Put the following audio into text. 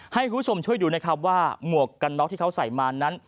ให้คุณผู้ชมช่วยดูนะครับว่าหมวกกันน็อกที่เขาใส่มานั้น